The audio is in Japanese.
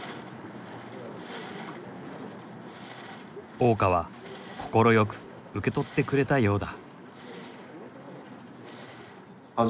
大川快く受け取ってくれたようだ。